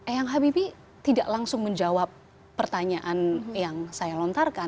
eyang habibie tidak langsung menjawab pertanyaan yang saya lontarkan